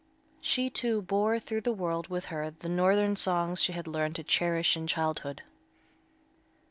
She, too, bore through the world with her the northern songs she had learned to cherish in childhood.